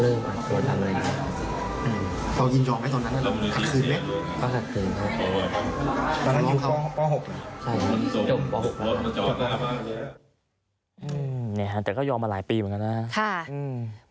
อืมหาเดิมเขายอมมาหลายปีเหมือนกันนะครับค่ะอืม